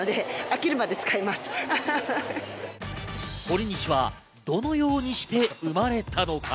ほりにしはどのようにして生まれたのか？